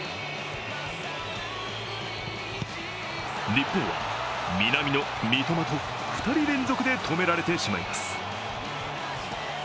日本は南野、三笘と２人連続で止められてしまいます。